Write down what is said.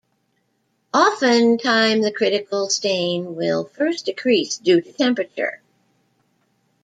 Often time the critical stain will first decrease due to temperature.